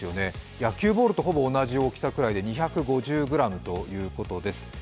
野球ボールとほぼ同じ大きさで２５０ｇということです。